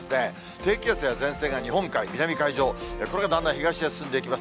低気圧や前線が日本海南海上、これがだんだん東へ進んでいきます。